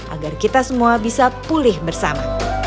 agar kita semua bisa mencapai kemampuan yang berharga